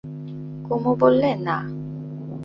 কুমু বললে, না।